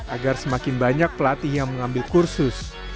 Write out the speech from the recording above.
agar semakin banyak pelatih yang mengambil kursus